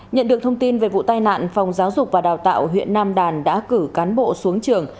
nhận được thông tin về vụ tai nạn phòng giáo dục và đào tạo huyện nam đàn đã cử cán bộ xuống trường